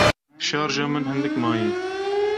Şarja min hindik maye.